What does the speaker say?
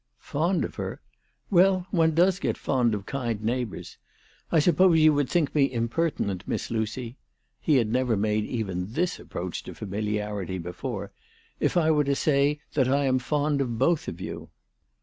" Eond of her ! Well ; one does get fond of kind neighbours. I suppose you would think me imperti nent, Miss Lucy/ 7 he had never made even this approach to familiarity before, " if I were to say that I am fond of both of you."